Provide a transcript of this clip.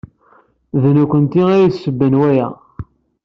D nekkenti ay d tasebba n waya.